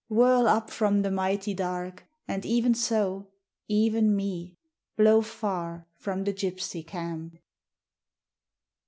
Whirl up from the mighty dark, And even so, even me Blow far from the gypsy camp!